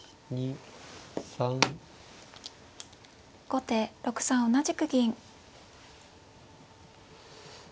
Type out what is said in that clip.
後手６三同じく銀。